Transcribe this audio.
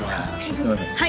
すいません。